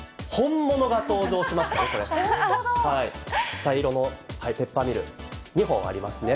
茶色のペッパーミル、２本ありますね。